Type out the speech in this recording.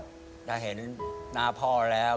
ได้เห็นหน้าพ่อแล้ว